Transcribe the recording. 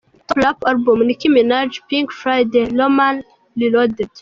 Top Rap Album: Nicki Minaj "Pink Friday: Roman Reloaded" .